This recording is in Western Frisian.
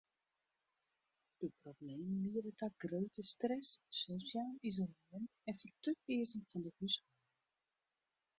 De problemen liede ta grutte stress, sosjaal isolemint en fertutearzing fan de húshâlding.